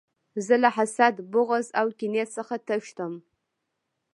زه له حسد، بغض او کینې څخه تښتم.